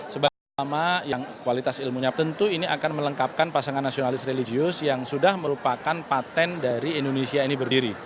sebagai ulama yang kualitas ilmunya tentu ini akan melengkapkan pasangan nasionalis religius yang sudah merupakan patent dari indonesia ini berdiri